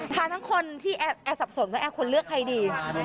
ทั้งคนที่แอร์สับสนว่าแอร์ควรเลือกใครดี